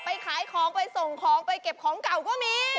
ขายของไปส่งของไปเก็บของเก่าก็มี